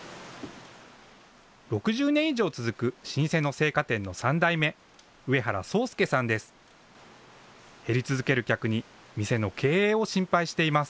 ６０年以上続く老舗の青果店の３代目、上原壮介さんです。